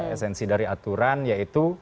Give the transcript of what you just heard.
esensi dari aturan yaitu